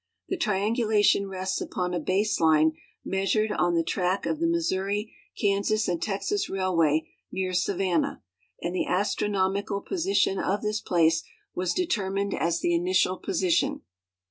The triangulation rests upon a base line measured on the track of the Missouri, Kansas and Texas railway near Savanna, and the astronomical position of this place was determined as the initial position.